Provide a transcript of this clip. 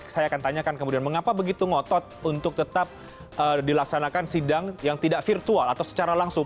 saya akan tanyakan kemudian mengapa begitu ngotot untuk tetap dilaksanakan sidang yang tidak virtual atau secara langsung